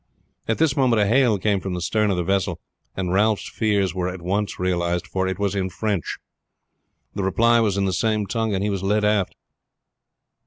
At this moment a hail came from the stern of the vessel, and Ralph's fears were at once realized, for it was in French. The reply was in the same tongue, and he was led aft.